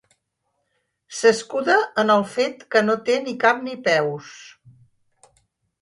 S'escuda en el fet que no té ni cap ni peus.